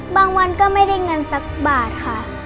วันก็ไม่ได้เงินสักบาทค่ะ